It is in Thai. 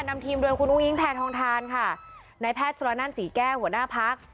นำทีมเรือนคุณอุ้งอิงแผนทองทานค่ะนายแพทย์สีแก้วหัวหน้าพัก